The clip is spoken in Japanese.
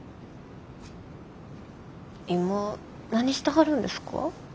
今何してはるんですか？